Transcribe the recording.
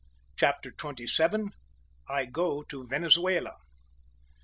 CHAPTER TWENTY SEVEN. I GO TO VENEZUELA.